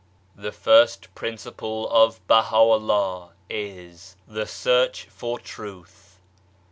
The 'first principle of Baha'u'llah is : The Search for Truth.